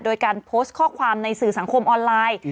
โดยการโพสต์ข้อความในสื่อสังคมออนไลน์